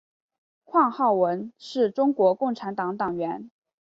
况浩文是中国共产党党员。